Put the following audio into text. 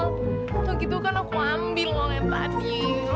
untung gitu kan aku ambil uangnya tadi